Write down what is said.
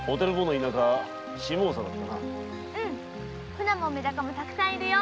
フナもメダカもたくさんいるよ。